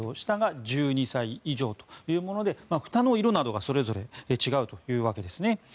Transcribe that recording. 下が１２歳以上というものでふたの色などがそれぞれ違うというわけです。